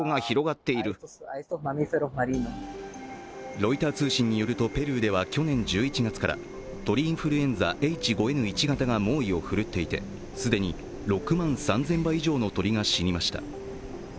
ロイター通信によるとペルーでは去年１１月から鳥インフルエンザＨ５Ｎ１型が猛威を振るっていて、既に６万３０００羽以上の鳥が死にました。